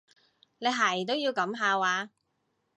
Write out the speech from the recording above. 你係都要噉下話？